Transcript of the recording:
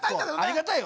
ありがたい。